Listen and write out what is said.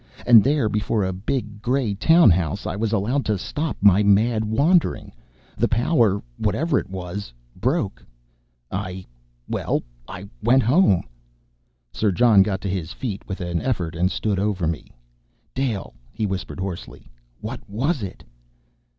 And there, before a big gray town house, I was allowed to stop my mad wandering. The power, whatever it was, broke. I well, I went home." Sir John got to his feet with an effort, and stood over me. "Dale," he whispered hoarsely, "what was it?"